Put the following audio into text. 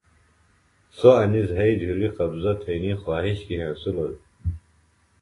سوۡ انیۡ زھئی جھلی قبضہ تھئنی خواہش کی ہینسِلوۡ دےۡ